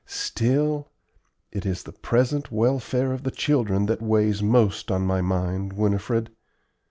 Still, it is the present welfare of the children that weighs most on my mind, Winifred.